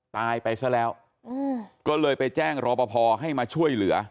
ตายไปซะแล้วก็เลยไปแจ้งรอปภให้มาช่วยเหลือ